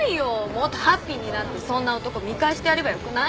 もっとハッピーになってそんな男見返してやればよくない？